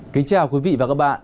kính chào quý vị và các bạn